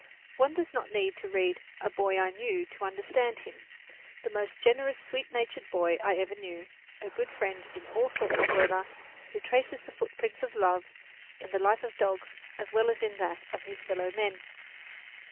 One does not need to read "A Boy I Knew" to understand him the most generous, sweet natured boy I ever knew, a good friend in all sorts of weather, who traces the footprints of love in the life of dogs as well as in that of his fellowmen.